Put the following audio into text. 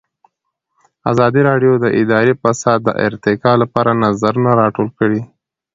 ازادي راډیو د اداري فساد د ارتقا لپاره نظرونه راټول کړي.